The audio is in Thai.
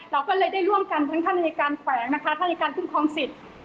เราก็เลยได้ร่วมกันทั้งท่านอายการแขวงนะคะท่านอายการคุ้มครองสิทธิ์